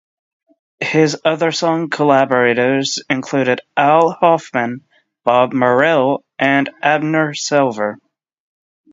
His other song collaborators included Al Hoffman, Bob Merrill, and Abner Silver.